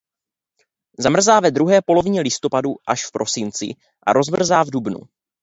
Zamrzá ve druhé polovině listopadu až v prosinci a rozmrzá v dubnu.